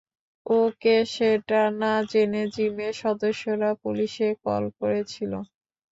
ও কে সেটা না জেনে জিমের সদস্যরা পুলিশে কল করেছিল।